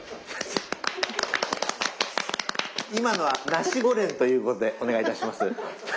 今のは「『ナシ』ゴレン」ということでお願い致します。